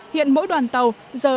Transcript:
hiện mỗi đoàn tàu giờ